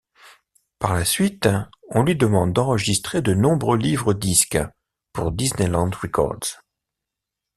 Par la suite, on lui demande d'enregistrer de nombreux livres-disques pour Disneyland Records.